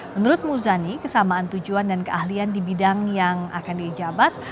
menurut muzani kesamaan tujuan dan keahlian di bidang yang akan dijabat